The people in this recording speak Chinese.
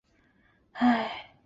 导数常用来找函数的极值。